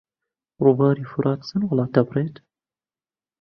ڕووباری فورات چەند وڵات دەبڕێت؟